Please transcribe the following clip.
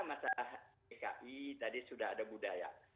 nah kita bisa lihat pada masa pki tadi sudah ada budaya